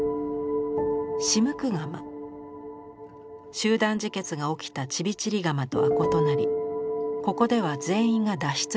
集団自決が起きたチビチリガマとは異なりここでは全員が脱出しました。